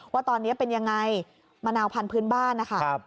ว่าตอนนี้เป็นยังไงมะนาวพันธุ์บ้านนะคะ